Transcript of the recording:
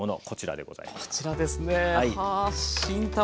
こちらですね。